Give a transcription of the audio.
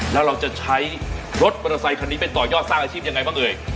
แล้วเราจะใช้รถมอเตอร์ไซคันนี้ไปต่อยอดสร้างอาชีพยังไงบ้างเอ่ย